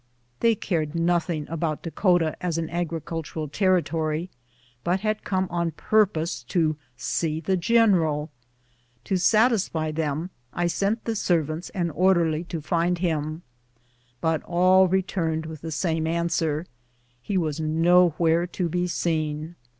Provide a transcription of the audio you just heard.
They cared nothing about Dakota as an agri cultural territory, but had come on purpose to see the general. To satisfy them, I sent the servants and order ly to find him, but all returned with the same answer — lie was nowhere to be seen.